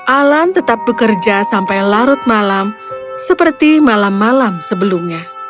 alan tetap bekerja sampai larut malam seperti malam malam sebelumnya